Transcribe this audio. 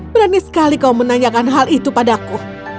berani sekali kau menanyakan hal itu padaku